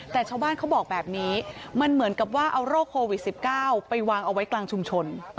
แต่ชาวบ้านเขาบอกแบบนี้มันเหมือนกับว่าเอาโรคโควิด๑๙ไปวางเอาไว้กลางชุมชน